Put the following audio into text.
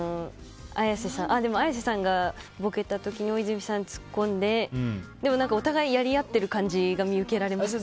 でも綾瀬さんがボケた時に大泉さんがツッコんででも、お互いやり合ってる感じが見受けられます。